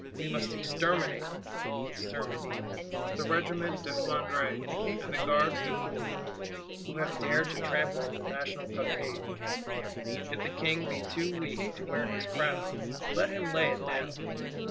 We must exterminate (exterminer) the Regiment de Flandre and the Gardes du Corps, who have dared to trample on the National Cockade. If the King be too weak to wear his crown, let him lay it down.